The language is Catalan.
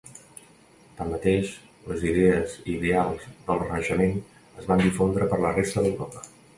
Tanmateix, les idees i ideals del renaixement es van difondre per la resta d'Europa.